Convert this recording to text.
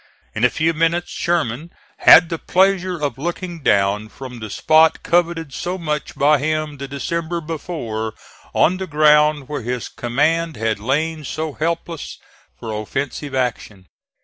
In a few minutes Sherman had the pleasure of looking down from the spot coveted so much by him the December before on the ground where his command had lain so helpless for offensive action.